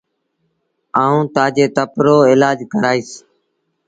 آئوٚݩ تآجي تپ رو ايلآج ڪرآئيٚس۔